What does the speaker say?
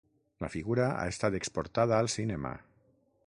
La figura ha estat exportada al cinema.